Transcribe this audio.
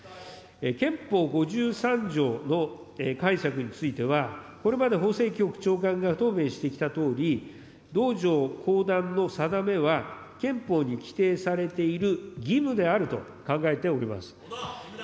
憲法５３条の解釈については、これまで法制局長官が答弁してきたとおり、同条後段の定めは憲法に規定されている義務であると考えております。